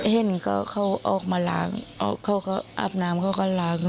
ห้ินเขาออกมาลากอาบน้ำเขาก็ลาก